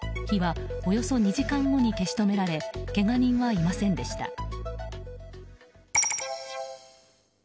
火はおよそ２時間後に消し止められけが人はいませんでした。